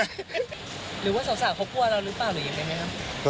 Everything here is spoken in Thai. หรือว่าสาวเขากลัวเราหรือเปล่าหรือยังไงไหมครับ